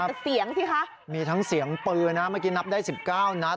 แต่เสียงสิคะมีทั้งเสียงปืนนะเมื่อกี้นับได้๑๙นัด